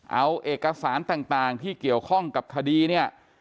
เอาเอกสารต่างที่เกี่ยวข้องกับคดีเนี่ย